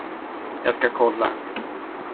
Jag ska kolla.